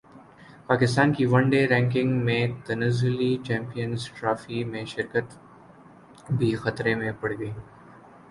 پاکستان کی one day ranking میں تنزلی چیمپئنز ٹرافی میں شرکت بھی خطرے میں پڑگئی